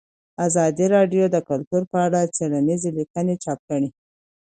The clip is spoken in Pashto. ازادي راډیو د کلتور په اړه څېړنیزې لیکنې چاپ کړي.